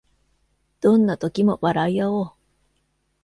どんな時も笑いあおう